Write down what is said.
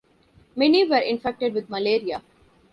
Many were infected with malaria.